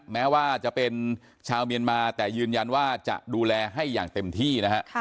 แม้ว่าจะเป็นชาวเมียนมาแต่ยืนยันว่าจะดูแลให้อย่างเต็มที่นะฮะ